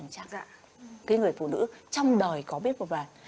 cái người phụ nữ trong đời có biết một vài